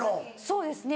そうですね